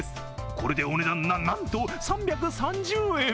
これでお値段、な、なんと３３０。